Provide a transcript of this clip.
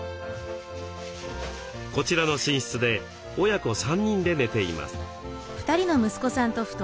こちらの寝室で親子３人で寝ています。